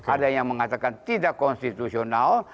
ada yang mengatakan tidak konstitusional